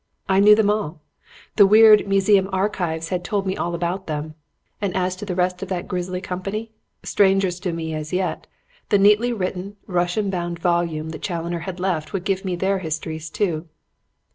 I knew them all. The weird "Museum Archives" had told me all about them; and as to the rest of that grisly company, strangers to me as yet, the neatly written, Russia bound volume that Challoner had left would give me their histories too.